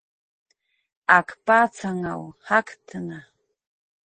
Ak patzanw jaktna